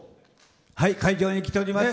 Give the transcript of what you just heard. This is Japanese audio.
はい、会場に来ております。